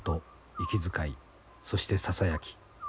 息遣いそしてささやき。